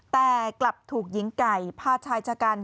แต่กลับถูกหญิงไก่พาชายชะกัน